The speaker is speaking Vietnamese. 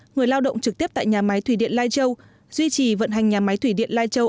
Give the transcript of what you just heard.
người lao động trực tiếp tại nhà máy thủy điện lai châu duy trì vận hành nhà máy thủy điện lai châu